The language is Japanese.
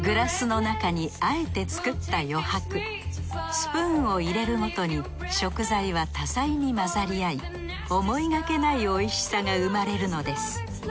スプーンを入れるごとに食材は多彩に混ざり合い思いがけないおいしさが生まれるのです。